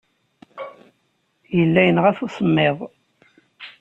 Yella yenɣa-t usemmiḍ.